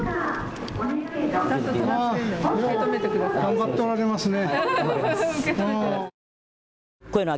頑張っておられますね。